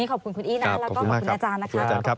ขอบคุณทางสภาธนายความนะครับ